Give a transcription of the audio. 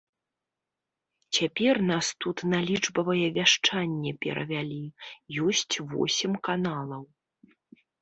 Цяпер нас тут на лічбавае вяшчанне перавялі, ёсць восем каналаў.